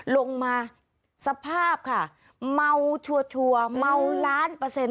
ลงมาสภาพค่ะเมาชัวร์เมาล้านเปอร์เซ็นต